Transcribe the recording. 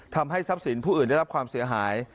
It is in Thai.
ทำให้ทรัพย์สินผู้อื่นได้รับความเสียหาย